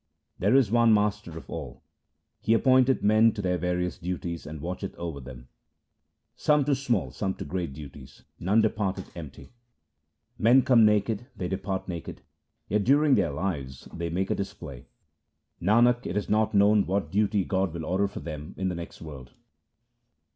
There is one Master of all ; He appointeth men to their various duties, and watcheth over them — Some to small, some to great duties ; none departeth empty. Men come naked, they depart naked, yet during their lives they make a display ; Nanak, it is not known what duty God will order for them in the next world.